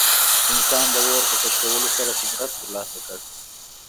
انسان د اور په کشفولو سره قدرت ترلاسه کړ.